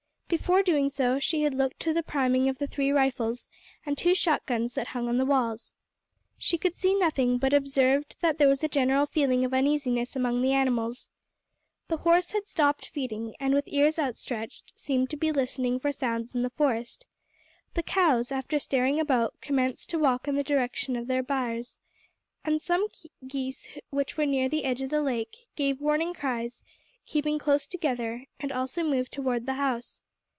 Before doing so, she had looked to the priming of the three rifles and two shot guns that hung on the walls. She could see nothing, but observed that there was a general feeling of uneasiness among the animals. The horse had stopped feeding, and with ears outstretched seemed to be listening for sounds in the forest; the cows, after staring about, commenced to walk in the direction of their byres; and some geese which were near the edge of the lake, gave warning cries, keeping close together, and also moved towards the house.